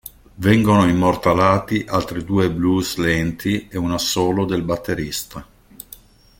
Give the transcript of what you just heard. Vengono immortalati altri due blues lenti e un assolo del batterista.